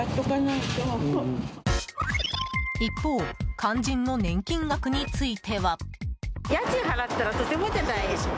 一方、肝心の年金額については。